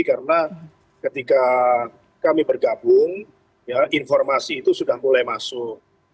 karena ketika kami bergabung informasi itu sudah mulai masuk